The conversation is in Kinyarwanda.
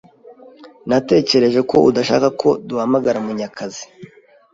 Natekereje ko udashaka ko duhamagara Munyakazi.